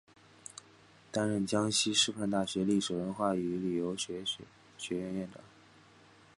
担任江西师范大学历史文化与旅游学院院长。